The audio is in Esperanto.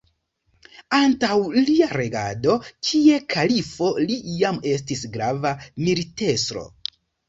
Antaŭ lia regado kiel kalifo li jam estis grava militestro.